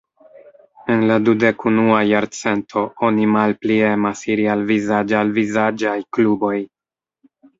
En la dudek-unua jarcento, oni malpli emas iri al vizaĝ-al-vizaĝaj kluboj.